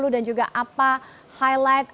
dan juga apa highlightnya